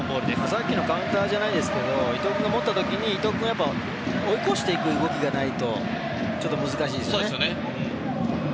さっきのカウンターじゃないですけど伊東君が持った時に、伊東君を追い越していく動きがないとちょっと難しいですよね。